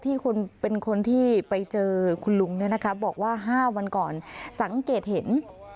ที่เป็นคนที่ไปเจอคุณลุงเนี่ยนะคะบอกว่า๕วันก่อนสังเกตเห็น